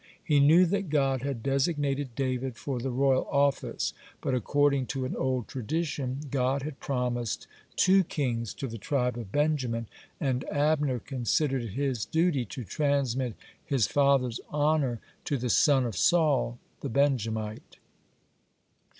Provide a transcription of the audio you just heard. He knew that God had designated David for the royal office, but, according to an old tradition, God had promised two kings to the tribe of Benjamin, and Abner considered it his duty to transmit his father's honor to the son of Saul the Benjamite.